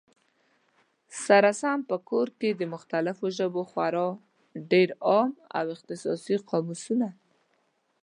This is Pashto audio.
سره سم په کور کي، د مختلفو ژبو خورا ډېر عام او اختصاصي قاموسونه